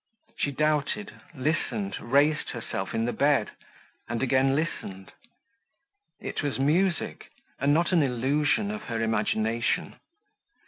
She doubted, listened, raised herself in the bed, and again listened. It was music, and not an illusion of her imagination.